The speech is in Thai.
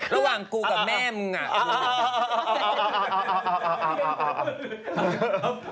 ระหว่างกูกับแม่มึงน่ะ